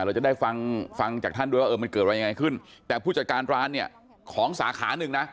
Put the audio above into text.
เราจะได้ฟังฟังจากท่านด้วยว่าเออมันเกิดอะไรยังไงขึ้นแต่ผู้จัดการร้านเนี่ยของสาขาหนึ่งนะ